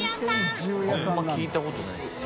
あんまり聞いたことないですよね。